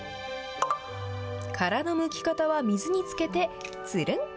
殻のむき方は、水につけて、つるん。